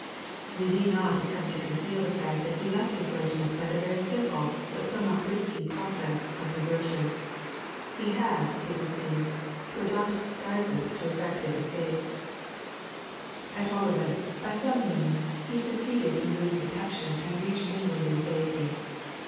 We need not attempt to conceal the fact that he left his regiment by the very simple but somewhat risky process of desertion. He had, it would seem, to adopt disguises to effect his escape. At all events, by some means he succeeded in eluding detection and reached England in safety.